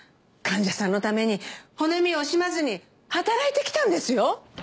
患者さんのために骨身を惜しまずに働いてきたんですよ。